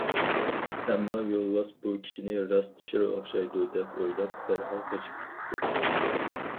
ئەمما يولۋاس بۇ كىشىنى راست شىر ئوخشايدۇ، دەپ ئويلاپ دەرھال قېچىپ كېتىپتۇ.